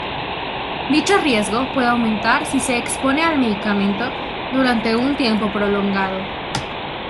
Dicho riesgo puede aumentar si se expone al medicamento durante un tiempo prolongado.